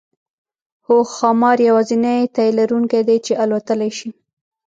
هو ښامار یوازینی تی لرونکی دی چې الوتلی شي